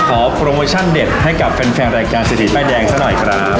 โปรโมชั่นเด็ดให้กับแฟนรายการเศรษฐีป้ายแดงซะหน่อยครับ